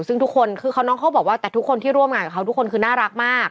ซึ่งทุกคนคือเขาน้องเขาบอกว่าแต่ทุกคนที่ร่วมงานกับเขาทุกคนคือน่ารักมาก